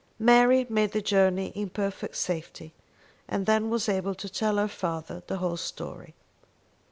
Mary made the journey in perfect safety, and then was able to tell her father the whole story.